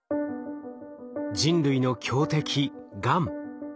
人類の強敵がん。